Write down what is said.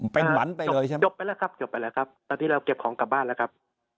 เป็นหวันไปจบไปแล้วครับจบไปแล้วครับตอนนี้เราเก็บของกลับบ้านแล้วครับ